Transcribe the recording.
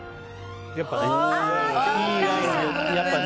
やっぱりね。